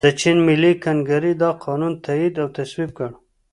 د چین ملي کنګرې دا قانون تائید او تصویب کړ.